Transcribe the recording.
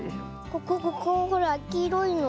ここここほらきいろいの。